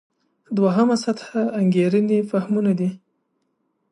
دوهمه سطح انګېرنې فهمونه دي.